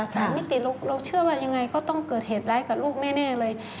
สารมิติเราเชื่อว่ายังไงก็ต้องเกิดเหตุร้ายกับลูกแน่เลย